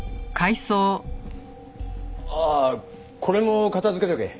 ああこれも片づけとけ。